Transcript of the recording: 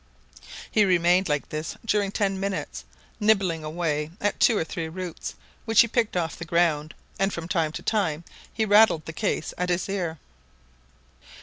He remained like this during ten minutes, nibbling away at two or three roots, which he picked off the ground, and from time to time he rattled the case at his ear.